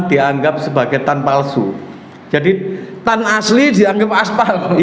dianggap sebagai tan palsu jadi tanggal